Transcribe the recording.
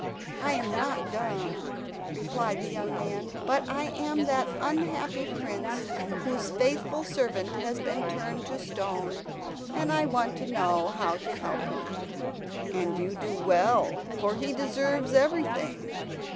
"I am not dumb," replied the young man, "but I am that unhappy prince whose faithful servant has been turned to stone, and I want to know how to help him." "And you do well, for he deserves everything.